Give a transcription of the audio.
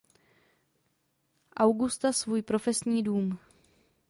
Augusta svůj profesní dům.